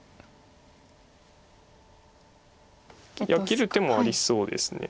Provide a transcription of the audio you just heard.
切る手もありそうです。